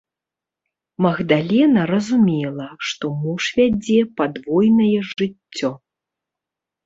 Магдалена разумела, што муж вядзе падвойнае жыццё.